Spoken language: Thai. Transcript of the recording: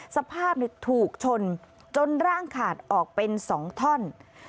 สภาพถูกชนจนร่างขาดออกเป็น๒ท่อน